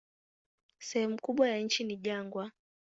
Sehemu kubwa ya nchi ni jangwa.